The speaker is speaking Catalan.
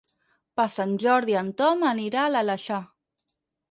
Per Sant Jordi en Ton anirà a l'Aleixar.